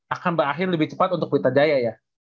akan berakhir lebih cepat untuk pritajaya ya